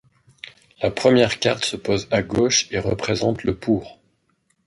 La première carte se pose à gauche et représente le pour.